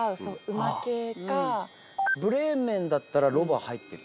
『ブレーメン』だったらロバ入ってる。